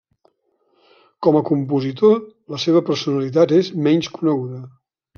Com a compositor, la seva personalitat és menys coneguda.